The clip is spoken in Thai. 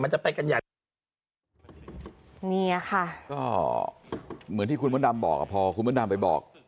จะไปกันใหญ่เนี่ยค่ะก็เหมือนที่คุณมดดำบอกอ่ะพอคุณมดดำไปบอก